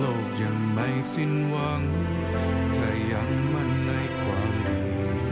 โลกยังไม่สินหวังถ้ายังมั่นในความดี